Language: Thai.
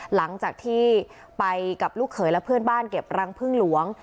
หลังจากที่ไปกับลูกเขยและเพื่อนบ้านเก็บรังพึ่งหลวง